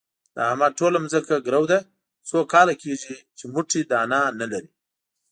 د احمد ټوله ځمکه ګرو ده، څو کاله کېږي چې موټی دانه نه لري.